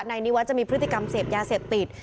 นิวัฒนจะมีพฤติกรรมเสพยาเสพติด